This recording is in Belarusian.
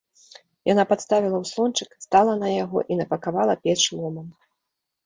Яна падставіла ўслончык, стала на яго і напакавала печ ломам.